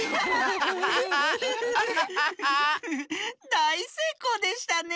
だいせいこうでしたね。